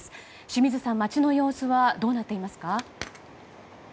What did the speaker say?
清水さん、町の様子はどうなっていますか？